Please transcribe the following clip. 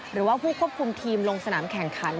หรือว่าผู้ควบคุมทีมลงสนามแข่งขัน